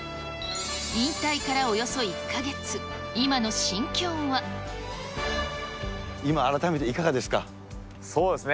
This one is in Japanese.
引退からおよそ１か月、今、改めていかがですか。